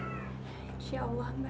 insya allah mbak